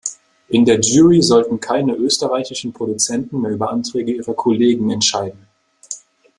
In der Jury sollten keine österreichischen Produzenten mehr über Anträge ihrer Kollegen entscheiden.